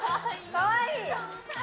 ・・かわいい！